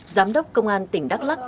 giám đốc công an tỉnh đắk lắc